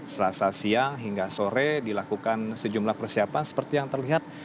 selasa siang hingga sore dilakukan sejumlah persiapan seperti yang terlihat